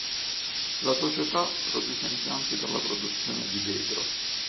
La società produce impianti per la produzione di vetro.